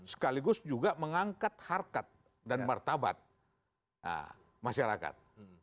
sekaligus juga mengangkat harkat dan martabat masyarakat